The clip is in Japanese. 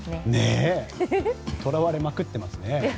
とらわれまくってますね。